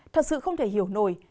thật sự không thể hiểu nổi